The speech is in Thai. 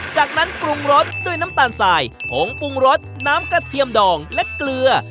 จากนั้นปรุงรสด้วยน้ำตาลสายผงปรุงรสน้ำกระเทียมดองและเกลือ